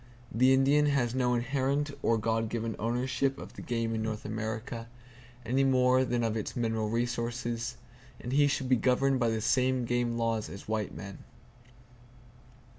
The Indian has no inherent or God given ownership of the game of North America, anymore than of its mineral resources; and he should be governed by the same game laws as white men.